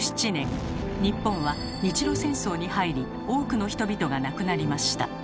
日本は日露戦争に入り多くの人々が亡くなりました。